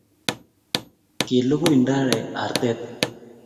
kilukui ndare arte